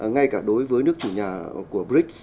ngay cả đối với nước chủ nhà của brics